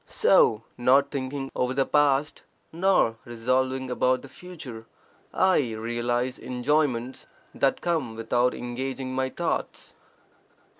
So not thinking over the past, nor resolving about the future, I realize enjoyments that come without engaging my thoughts.